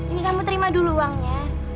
ini kamu terima dulu uangnya